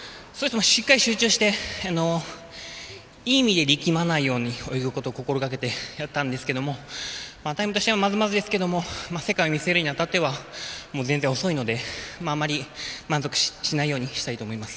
しっかり集中していい意味で力まないように泳ぐことを心がけてやったんですけどもタイムとしてはまずまずですけども世界を見据えるにあたっては全然遅いのであんまり満足しないようにしたいと思います。